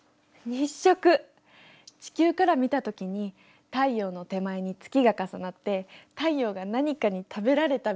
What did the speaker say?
地球から見たときに太陽の手前に月が重なって太陽が何かに食べられたみたいになっちゃう。